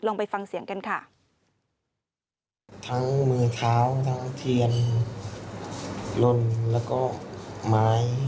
ลองไปฟังเสียงกันค่ะ